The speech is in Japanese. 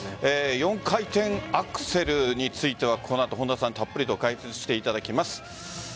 ４回転アクセルについてはこの後、本田さんにたっぷりと解説していただきます。